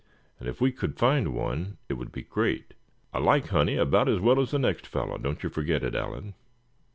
And if we could find one, it would be great. I like honey about as well as the next fellow, don't you forget it, Allan."